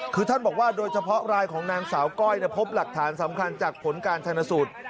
คือท่านบอกว่าโดยเฉพาะรายของนางสาวก้อยพบหลักฐานสำคัญจากผลการชนสูตร